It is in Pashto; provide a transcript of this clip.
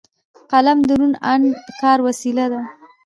قلم د روڼ اندو کار وسیله ده